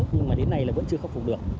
nhưng mà đến nay là vẫn chưa khắc phục được